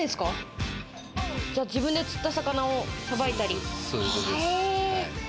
自分で釣った魚をさばいたり？